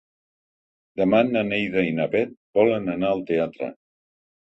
Demà na Neida i na Bet volen anar al teatre.